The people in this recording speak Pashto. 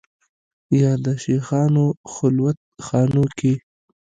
یا د شېخانو خلوت خانو کې